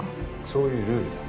そういうルールだ。